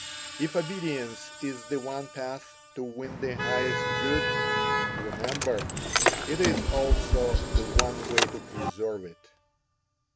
If obedience is the one path to win the highest good, remember it is also the one way to preserve it.